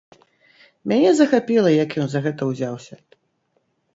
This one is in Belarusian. Мяне захапіла, як ён за гэта ўзяўся.